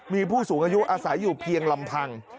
มีผู้สูงอายุอาศัยอยู่เพียงลำพัง